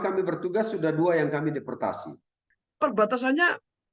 kami bertugas sudah dua yang kami deportasi perbatasannya